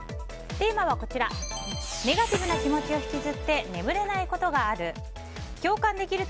テーマはネガティブな気持ちを引きずって眠れないことがある。